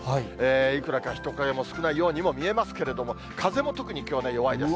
いくらか人影も少ないようにも見えますけれども、風も特にきょうはね、弱いです。